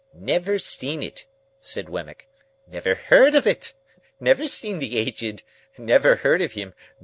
"Never seen it," said Wemmick. "Never heard of it. Never seen the Aged. Never heard of him.